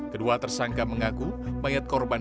kedua tersangka mengaku mayat korban